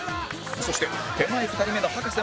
そして手前２人目の葉加瀬